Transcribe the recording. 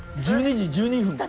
１２時１２分。